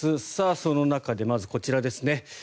その中でまずこちらですね。